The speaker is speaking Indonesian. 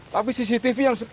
tapi cctv yang sepahit